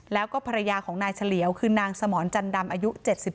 แล้วก็ภรรยาของนายเฉลียวคือนางสมรจันดำอายุ๗๒